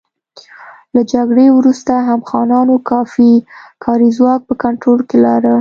له جګړې وروسته هم خانانو کافي کاري ځواک په کنټرول کې لاره.